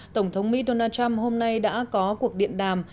tổng thống mỹ donald trump hôm nay đã có cuộc điện đàm